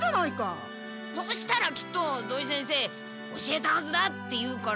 そしたらきっと土井先生教えたはずだって言うから。